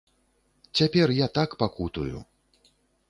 Цяпер я так пакутую.